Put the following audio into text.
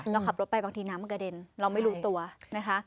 เราขับรถไปบางทีน้ำมันกระเด็นเราไม่รู้ตัวนะคะ